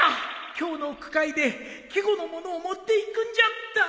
今日の句会で季語の物を持っていくんじゃった